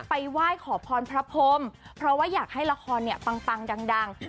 ไปไหว้ขอพรพรพมเพราะว่าอยากให้ละครปังดัง